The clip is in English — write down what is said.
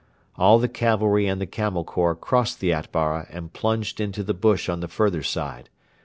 All the cavalry and the Camel Corps crossed the Atbara and plunged into the bush on the further side.